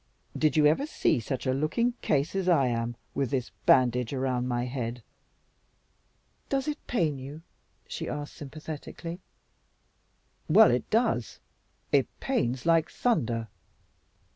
Did you ever see such a looking case as I am with this bandage around my head?" "Does it pain you?" she asked sympathetically. "Well, it does. It pains like thunder."